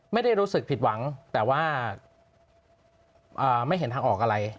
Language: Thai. ไม่ได้รู้สึกผิดหวังแต่ว่าไม่เห็นทางออกอะไร